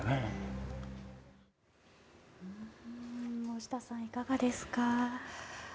大下さん、いかがですか。